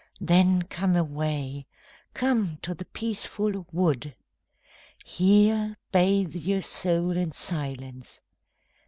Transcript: Then come away, come to the peaceful wood, Here bathe your soul in silence.